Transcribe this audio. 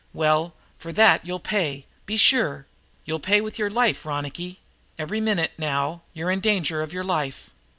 Well, for that you'll pay, be sure! And you'll pay with your life, Ronicky. Every minute, now, you're in danger of your life.